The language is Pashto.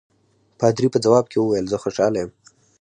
پادري په ځواب کې وویل زه خوشاله یم.